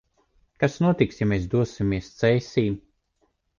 Kas notiks, ja mēs dosimies Cēsīm?